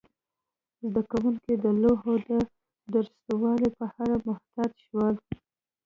زده کوونکي د لوحو د درستوالي په اړه محتاط شول.